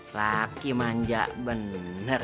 laki manja bener